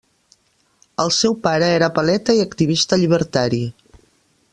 El seu pare era paleta i activista llibertari.